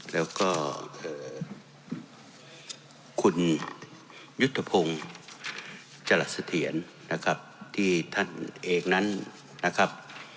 แล้วก็คุณยุทธพงศ์จรัสเสถียรนะครับที่ท่านเอกนั้นนะครับ